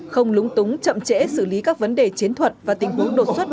không lúng túng chậm trễ xử lý các vấn đề chiến thuật và tình huống đột xuất